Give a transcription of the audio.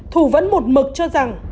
thủ vẫn một mực cho rằng